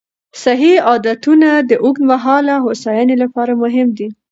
صحي عادتونه د اوږدمهاله هوساینې لپاره مهم دي.